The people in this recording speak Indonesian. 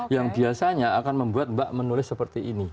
yang biasanya akan membuat mbak menulis seperti ini